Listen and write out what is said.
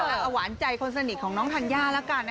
เอาหวานใจคนสนิทของน้องธัญญาแล้วกัน